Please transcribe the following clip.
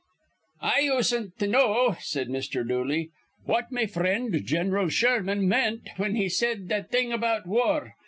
"I usen't to know," said Mr. Dooley, "what me frind Gin'ral Sherman meant whin he said that thing about war.